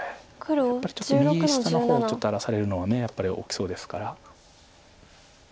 やっぱりちょっと右下の方をちょっと荒らされるのは大きそうですから。